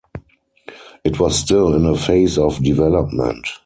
It was still in a phase of development.